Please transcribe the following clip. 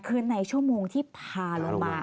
คือในชั่วโมงที่พาลงมา